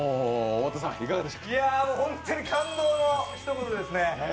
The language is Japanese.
本当に感動の一言ですね。